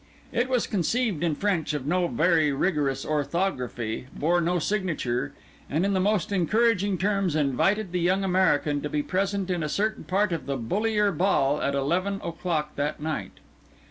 It was conceived in French of no very rigorous orthography, bore no signature, and in the most encouraging terms invited the young American to be present in a certain part of the Bullier Ball at eleven o'clock that night.